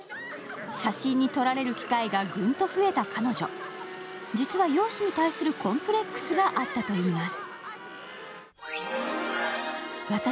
写真に撮られる機会がぐんと増えた彼女、実は容姿に対するコンプレックスがあったといいます。